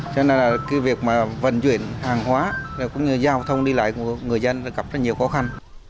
cho nên là việc vận chuyển hàng hóa giao thông đi lại của người dân gặp nhiều khó khăn